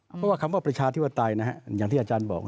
เพราะว่าคำว่าประชาธิปไตยนะฮะอย่างที่อาจารย์บอก